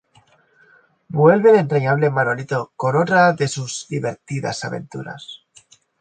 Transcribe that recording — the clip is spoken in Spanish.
Vuelve el entrañable Manolito con otra de sus divertidas aventuras.